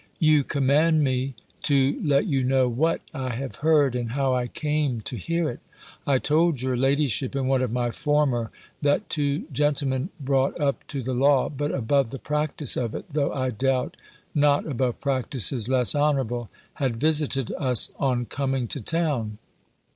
You command me to let you know what I have heard, and how I came to hear it. I told your ladyship in one of my former that two gentlemen brought up to the law, but above the practice of it, though I doubt, not above practices less honourable, had visited us on coming to town.